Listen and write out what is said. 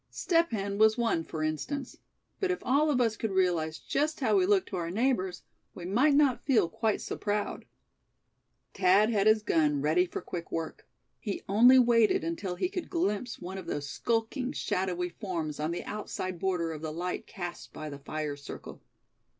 Step Hen was one, for instance; but if all of us could realize just how we look to our neighbors, we might not feel quite so proud. Thad had his gun ready for quick work. He only waited until he could glimpse one of those skulking, shadowy forms on the outside border of the light cast by the fire circle.